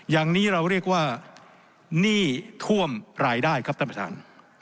อย่างนี้เราเรียกว่าหนี้ท่วมรายได้ครับท่านประธาน